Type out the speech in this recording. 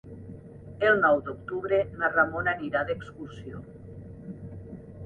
El nou d'octubre na Ramona anirà d'excursió.